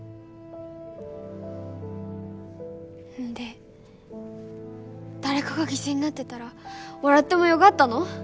んで誰かが犠牲になってだら笑ってもよがったの？